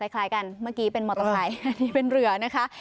คล้ายกันเมื่อกี้เป็นมอเตอร์ไซค์เป็นเรือนะคะ